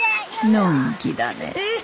のんきだねえ。